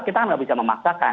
kita nggak bisa memaksakan